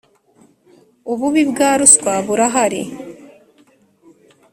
Ububi bwa ruswa burahari.